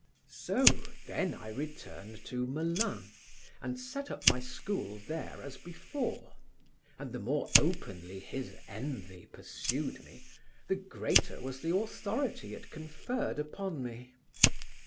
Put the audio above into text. So then I returned to Melun, and set up my school there as before; and the more openly his envy pursued me, the greater was the authority it conferred upon me.